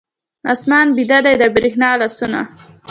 آسمان بیده دی، د بریښنا لاسونه